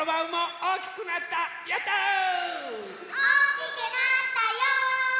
おおきくなったよ！